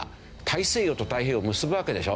大西洋と太平洋を結ぶわけでしょ。